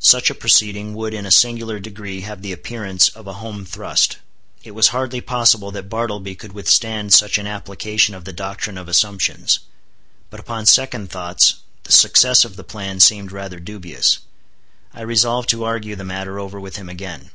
Such a proceeding would in a singular degree have the appearance of a home thrust. It was hardly possible that Bartleby could withstand such an application of the doctrine of assumptions. But upon second thoughts the success of the plan seemed rather dubious. I resolved to argue the matter over with him again.